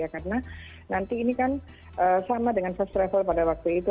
karena nanti ini kan sama dengan first travel pada waktu itu